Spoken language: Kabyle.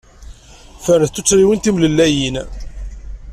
Fernet tuttriwin timlellayin.